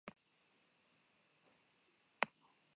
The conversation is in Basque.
Letra larriak eta xeheak nahastea komenigarria da.